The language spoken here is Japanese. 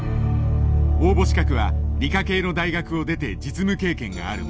応募資格は理科系の大学を出て実務経験がある者。